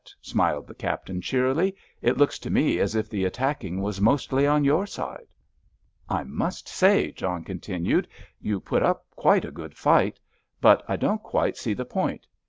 smiled the Captain, cheerily; "it looks to me as if the attacking was mostly on your side." "I must say," John continued, "you put up quite a good fight, but I don't quite see the point.